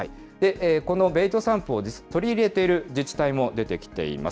このベイト散布を取り入れている自治体も出てきています。